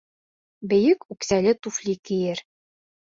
Бейек үксәле туфли кейер!